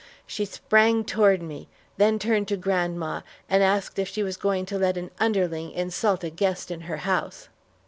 She sprang toward me, then turned to grandma, and asked if she was going to let an underling insult a guest in her house.